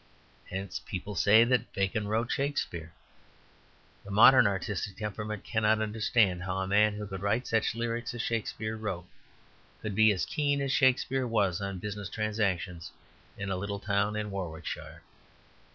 Hence people say that Bacon wrote Shakespeare. The modern artistic temperament cannot understand how a man who could write such lyrics as Shakespeare wrote, could be as keen as Shakespeare was on business transactions in a little town in Warwickshire.